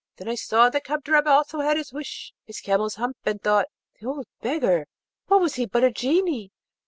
Then I saw that Kadrab also had his wish, his camel's hump, and thought, 'The old beggar, what was he but a Genie?'